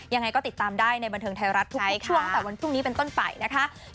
ยังไงก็ติดตามได้ในบันเทิงไทยรัฐทุกช่วงตั้งแต่วันพรุ่งนี้เป็นต้นไปนะคะ